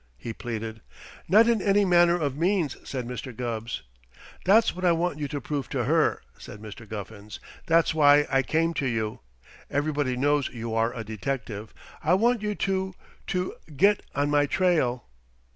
he pleaded. "Not in any manner of means," said Mr. Gubb. "That's what I want you to prove to her," said Mr. Guffins. "That's why I came to you. Everybody knows you are a detective. I want you to to get on my trail."